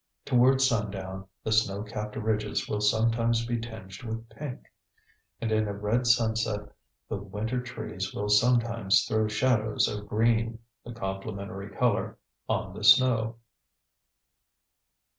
Towards sundown the snow capped ridges will sometimes be tinged with pink. And in a red sunset the winter trees will sometimes throw shadows of green, the complementary color, on the snow.